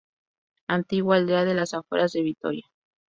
Antigua aldea de las afueras de Vitoria.